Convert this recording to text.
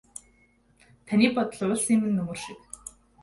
Таны бодол уулсын минь нөмөр шиг.